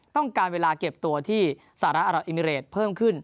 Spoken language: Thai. ต้องการเวลาเก็บตัวที่สหรัฐอารับอิมิเรตเพิ่มขึ้น